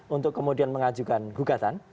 untuk kemudian mengajukan gugatan